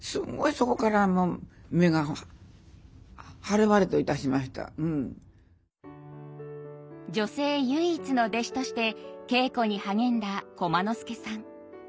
これはすごいそこから女性唯一の弟子として稽古に励んだ駒之助さん。